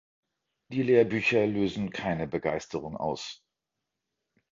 Die Lehrbücher lösen keine Begeisterung aus.